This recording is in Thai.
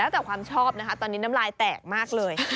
แล้วแต่ความชอบนะคะตอนนี้น้ำลายแตกมากเลย